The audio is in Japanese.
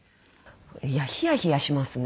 いやヒヤヒヤしますね。